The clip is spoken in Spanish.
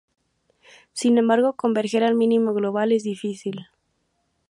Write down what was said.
Sin embargo, converger al mínimo global es difícil.